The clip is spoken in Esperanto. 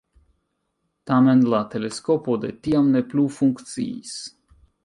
Tamen, la teleskopo de tiam ne plu funkciis.